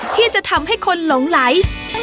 ที่จะทำให้คนหลงไหล